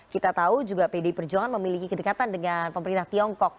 kita tahu juga pdi perjuangan memiliki kedekatan dengan pemerintah tiongkok